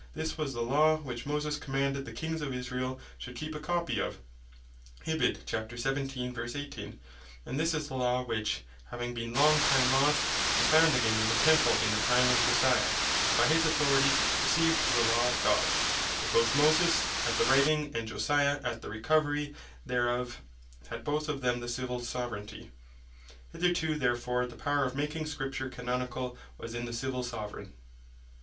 This was the Law, which Moses (Deuteronomy 17.18.) commanded the Kings of Israel should keep a copie of: And this is the Law, which having been long time lost, was found again in the Temple in the time of Josiah, and by his authority received for the Law of God. But both Moses at the writing, and Josiah at the recovery thereof, had both of them the Civill Soveraignty. Hitherto therefore the Power of making Scripture Canonicall, was in the Civill Soveraign.